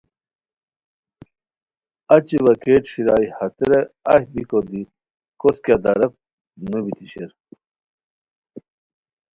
اچی وا گیٹ شیرائے ہتیرا اہی بیکو دی کوس کیہ داراک نوبیتی شیر